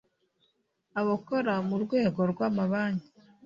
abakora mu rwego rw’amabanki